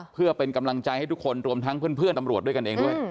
เพื่อเป็นกำลังใจให้ทุกคนรวมทั้งเพื่อนตำรวจด้วยกันเองด้วย